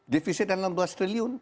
divisi dalam enam belas triliun